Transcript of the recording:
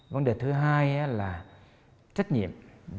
vấn đề thứ hai là trách nhiệm